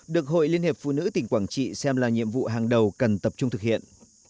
được hội liên hiệp phụ nữ tỉnh quảng trị xem là nhiệm vụ hàng đầu cần tập trung thực hiện